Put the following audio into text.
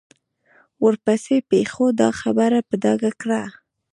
ورپسې پېښو دا خبره په ډاګه کړه.